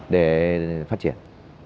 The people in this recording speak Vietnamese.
để phát triển